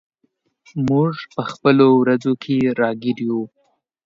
موږ په خپلو ورځو کې راګیر یو.